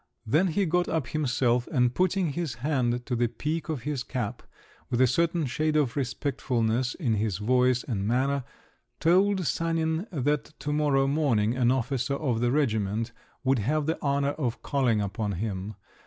Then he got up himself, and putting his hand to the peak of his cap, with a certain shade of respectfulness in his voice and manner, told Sanin that to morrow morning an officer of the regiment would have the honour of calling upon him.